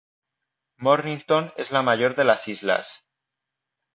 Mornington es la mayor de las islas.